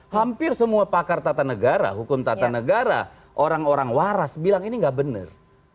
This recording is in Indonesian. hampir semua pakar tata negara hukum tata negara orang orang waras bilang ini nggak benar